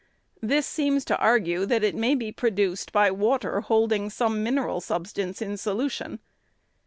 This seems to argue that it may be produced by water holding some mineral substance in solution.